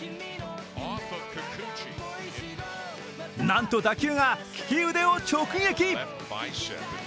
なんと打球が利き腕を直撃。